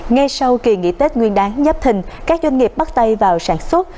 ngay sau kỳ nghỉ tết nguyên đáng nhấp thình các doanh nghiệp bắt tay vào sản xuất